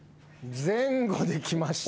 前後できました。